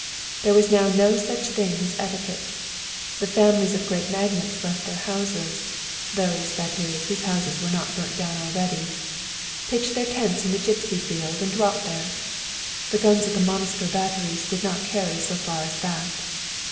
There was now no such thing as etiquette. The families of great magnates left their houses (those, that is, whose houses were not burnt down already), pitched their tents in the Gipsy field and dwelt there. The guns of the Monostor batteries did not carry so far as that.